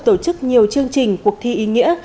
tổ chức nhiều chương trình cuộc thi ý nghĩa